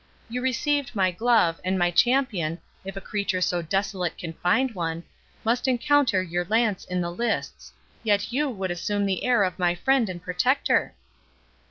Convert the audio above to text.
You received my glove, and my champion, if a creature so desolate can find one, must encounter your lance in the lists—yet you would assume the air of my friend and protector!"